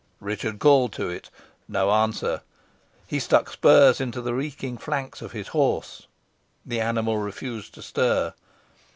Richard called to it. No answer. He struck spurs into the reeking flanks of his horse. The animal refused to stir.